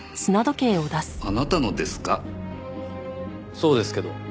そうですけど。